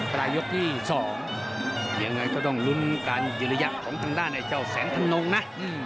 ปลายยกที่๒ยังไงก็ต้องลุ้นการยืนระยะของทางด้านไอ้เจ้าแสนธนงนะ